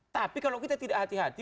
tapi kalau kita tidak hati hati